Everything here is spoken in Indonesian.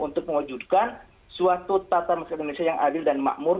untuk mewujudkan suatu tata masyarakat indonesia yang adil dan makmur